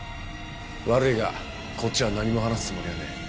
悪いがこっちは何も話すつもりはねえ。